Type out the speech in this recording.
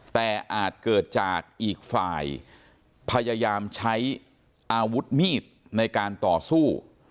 แต่อาจเกิดจากอีกฝ่ายพยายามใช้อาวุธมีดในการต่อสู้